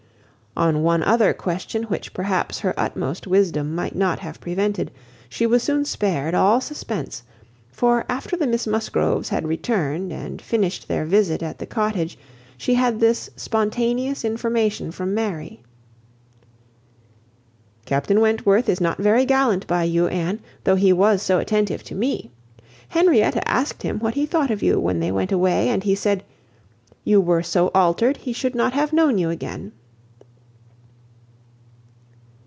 On one other question which perhaps her utmost wisdom might not have prevented, she was soon spared all suspense; for, after the Miss Musgroves had returned and finished their visit at the Cottage she had this spontaneous information from Mary:— "Captain Wentworth is not very gallant by you, Anne, though he was so attentive to me. Henrietta asked him what he thought of you, when they went away, and he said, 'You were so altered he should not have known you again.